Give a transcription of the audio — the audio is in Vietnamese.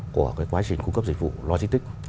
của quá trình cung cấp dịch vụ logistics